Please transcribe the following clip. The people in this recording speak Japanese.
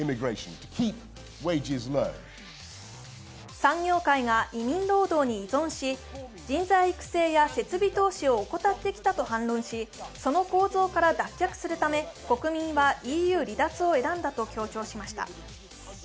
産業界が移民労働に依存し、人材育成や設備投資を怠ってきたと反論しその構造から脱却するため国民はＥＵ離脱を選んだと強調しました。